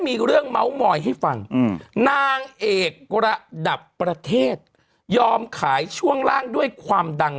มีเรื่องเมาส์มาให้ชาวเน็ตได้ตามสืบไปอีกครั้ง